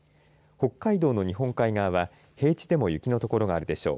北海道の日本海側は平地でも雪の所があるでしょう。